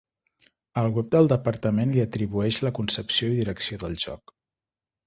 El web del Departament li atribueix la concepció i direcció del joc.